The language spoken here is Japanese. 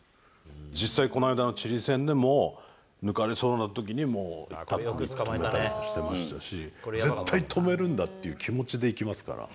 実際、この間のチリ戦でも抜かれそうなときにもう、タックルいって止めたりとかしてましたし、絶対止めるんだっていう気持ちで行きますから。